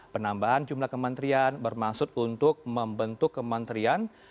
penambahan jumlah kementerian bermaksud untuk membentuk kementerian